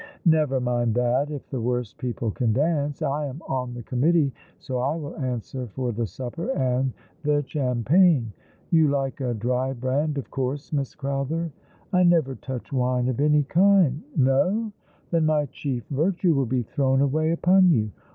''" Never mind that if the worst people can dance. I am on the committee, so I will answer for the supjier and the chaai pngno. You like a dry brand, of course, Miss Crowther ?" 44 ^11 along the River, " I never toucli wine of any kind." "No; tbea my chief virtue will be thrown away upon you.